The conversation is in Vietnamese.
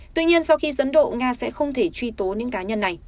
tuy nhiên sau khi dẫn độ nga sẽ không thể truy tố những cá nhân này